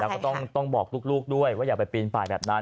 แล้วก็ต้องบอกลูกด้วยว่าอย่าไปปีนป่ายแบบนั้น